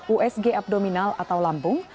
usg abdominal atau lambung